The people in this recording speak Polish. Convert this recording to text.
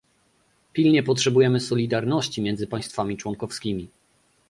Pilnie potrzebujemy solidarności między państwami członkowskimi